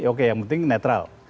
oke yang penting netral